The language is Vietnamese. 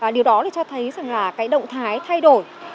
điều đó thì cho thấy rằng là cái động thái thay đổi